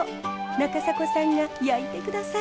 中迫さんが焼いてくださいました。